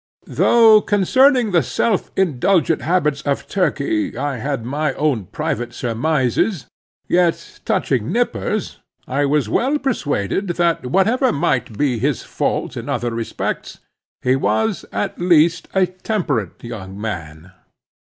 Though concerning the self indulgent habits of Turkey I had my own private surmises, yet touching Nippers I was well persuaded that whatever might be his faults in other respects, he was, at least, a temperate young man.